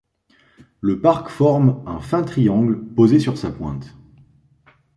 Le parc forme un fin triangle posé sur sa pointe.